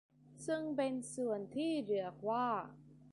ซึ่งเป็นส่วนที่เรียกว่า